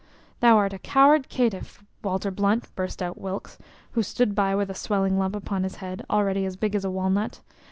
"Thou art a coward caitiff, Walter Blunt!" burst out Wilkes, who stood by with a swelling lump upon his head, already as big as a walnut.